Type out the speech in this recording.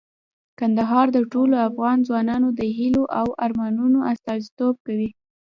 کندهار د ټولو افغان ځوانانو د هیلو او ارمانونو استازیتوب کوي.